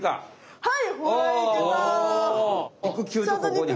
はい。